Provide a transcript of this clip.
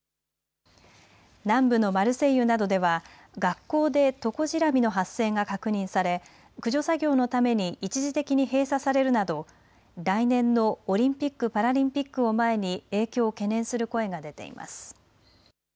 南部のマルセイユなどでは学校でトコジラミの発生が確認され駆除作業のために一時的に閉鎖されるなど来年のオリンピック・パラリンピックを前に影響を懸念する声が出ています。